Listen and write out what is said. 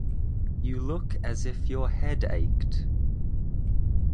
You look as if your head ached.